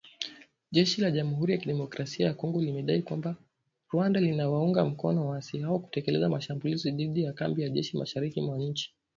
Jeshi la jamuhuri ya kidemokrasia ya Kongo limedai kwamba Rwanda inawaunga mkono waasi hao kutekeleza mashambulizi dhidi ya kambi za jeshi mashariki mwa nchi